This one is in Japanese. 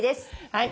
はい。